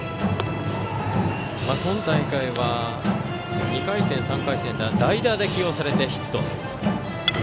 今大会は２回戦、３回戦と代打で起用されてヒット。